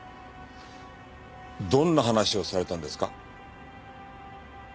どんな話をされたんですか？